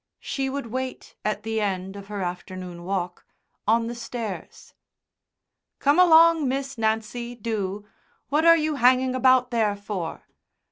She would wait at the end of her afternoon walk on the stairs. "Come along, Miss Nancy, do. What are you hanging about there for?"